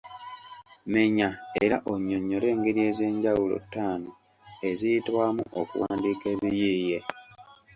Menya era onnyonnyole engeri ez’enjawulo ttaano eziyitwamu okuwandika ebiyiiye.